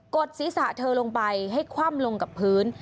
ดศีรษะเธอลงไปให้คว่ำลงกับพื้น